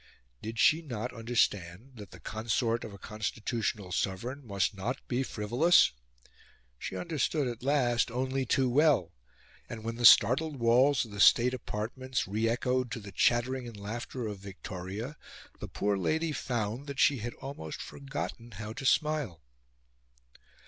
Did she not understand that the consort of a constitutional sovereign must not be frivolous? She understood, at last, only too well; and when the startled walls of the state apartments re echoed to the chattering and the laughter of Victoria, the poor lady found that she had almost forgotten how to smile.